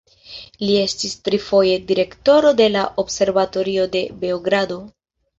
Li estis tri foje direktoro de la Observatorio de Beogrado.